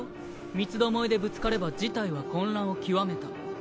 三つ巴でぶつかれば事態は混乱を極めた。